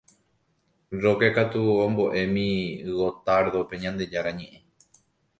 Roque katu omboʼémi Gottardope Ñandejára ñeʼẽ.